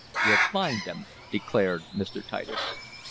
"We'll find them," declared Mr. Titus.